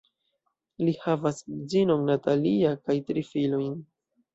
Li havas edzinon Natalia kaj tri filojn.